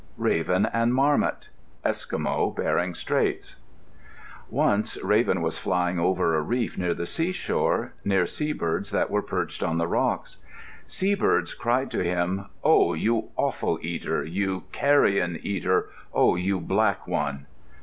Andrews_] RAVEN AND MARMOT Eskimo (Bering Straits) Once Raven was flying over a reef near the seashore, near seabirds that were perched on the rocks. Seabirds cried to him, "Oh, you offal eater! Oh, you carrion eater! Oh, you black one!"